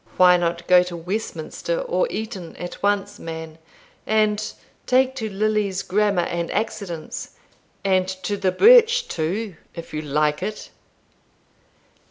Why not go to Westminster or Eton at once, man, and take to Lilly's Grammar and Accidence, and to the birch, too, if you like it?"